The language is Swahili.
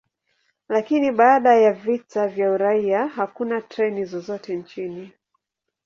Lakini baada ya vita vya uraia, hakuna treni zozote nchini.